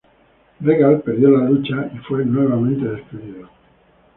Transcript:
Regal perdió la lucha y fue nuevamente despedido.